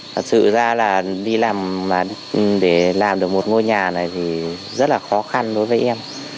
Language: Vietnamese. thật sự ra là đi làm để làm được một ngôi nhà này thì rất là khó khăn đối với em